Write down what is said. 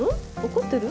怒ってる？